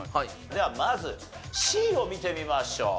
ではまずＣを見てみましょう。